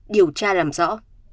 điều tra làm rõ